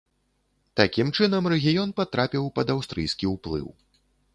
Такім чынам, рэгіён патрапіў пад аўстрыйскі ўплыў.